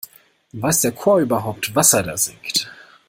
Weiß der Chor überhaupt, was er da singt?